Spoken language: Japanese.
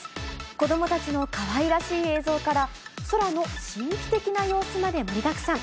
子どもたちのかわいらしい映像から、空の神秘的な様子まで、盛りだくさん。